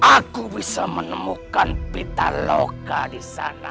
aku bisa menemukan pitaloka disana